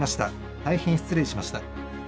大変失礼しました。